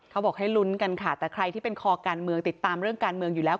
เขาบอกให้ลุ้นกันค่ะแต่ใครที่เป็นคอการเมืองติดตามเรื่องการเมืองอยู่แล้ว